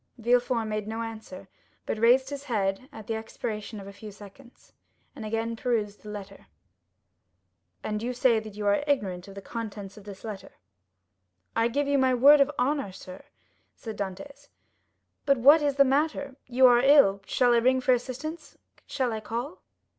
Villefort made no answer, but raised his head at the expiration of a few seconds, and again perused the letter. "And you say that you are ignorant of the contents of this letter?" "I give you my word of honor, sir," said Dantès; "but what is the matter? You are ill—shall I ring for assistance?—shall I call?"